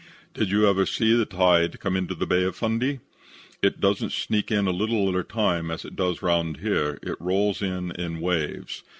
"Did you ever see the tide come into the Bay of Fundy. It doesn't sneak in a little at a time as it does 'round here. It rolls in in waves.